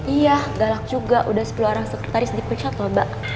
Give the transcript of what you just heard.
iya galak juga udah sepuluh orang sekretaris dipencet loh mbak